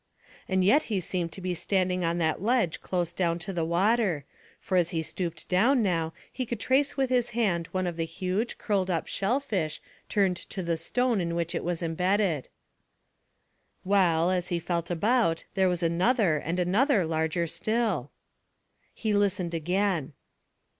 And yet he seemed to be standing on that ledge close down to the water, for as he stooped down now he could trace with his hand one of the huge, curled up shell fish turned to the stone in which it was embedded, while, as he felt about, there was another and another larger still. He listened again.